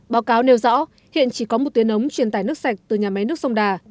báo cáo nêu rõ hiện chỉ có một tuyến ống truyền tải nước sạch từ nhà máy nước sông đà